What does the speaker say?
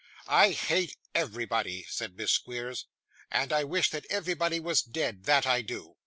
'I hate everybody,' said Miss Squeers, 'and I wish that everybody was dead that I do.